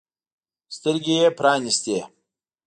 سترګې يې پرانیستې.